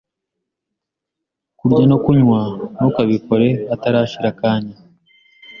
kurya no kunywa ntukabikore hatarashira akanya